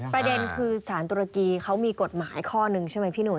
ประเด็นคือสารตุรกีเขามีกฎหมายข้อหนึ่งใช่ไหมพี่หุ